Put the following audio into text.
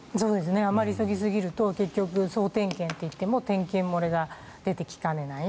あまり急ぎすぎると結局、総点検といっても点検漏れが出てきかねない。